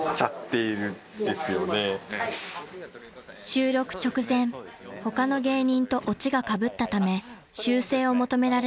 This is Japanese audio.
［収録直前他の芸人とオチがかぶったため修正を求められました］